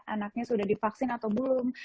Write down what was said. anaknya sudah divaksin atau belum